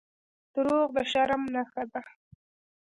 • دروغ د شرم نښه ده.